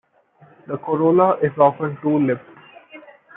The corolla is often two-lipped.